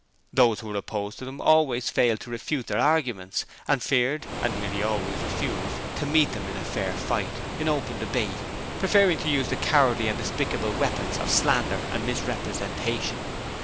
Those who were opposed to them always failed to refute their arguments, and feared, and nearly always refused, to meet them in fair fight in open debate preferring to use the cowardly and despicable weapons of slander and misrepresentation.